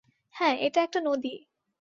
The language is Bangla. হ্যাঁ, এটা একটা নদী!